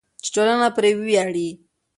چې ټولنه پرې وویاړي.